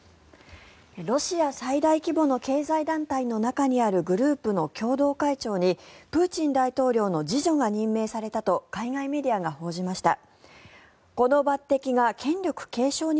ロシア最大規模の経済団体の中にあるグループの共同会長にプーチン大統領の次女が任命されたと海外メディアが報じました。